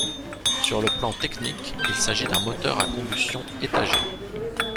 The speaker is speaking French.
Sur le plan technique il s'agit d'un moteur à combustion étagée.